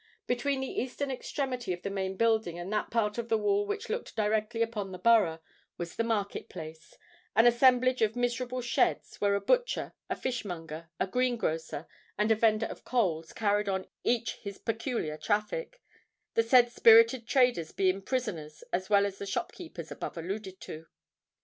Between the eastern extremity of the main building and that part of the wall which looked directly upon the Borough, was the market place,—an assemblage of miserable sheds, where a butcher, a fishmonger, a greengrocer, and a vender of coals carried on each his peculiar traffic—the said spirited traders being prisoners as well as the shopkeepers above alluded to.